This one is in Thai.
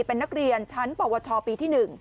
เป็นนักเรียนชั้นปวชปีที่๑